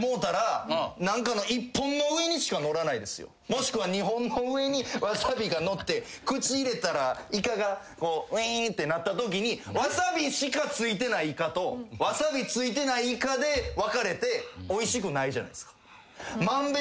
もしくは２本の上にわさびがのって口入れたらイカがういってなったときにわさびしかついてないイカとわさびついてないイカで分かれておいしくないじゃないっすか。